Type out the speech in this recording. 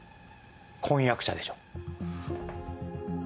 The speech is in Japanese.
婚約者でしょ。